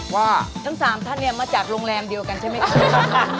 ว่าทั้ง๓ท่านเนี่ยมาจากโรงแรมเดียวกันใช่ไหมคะ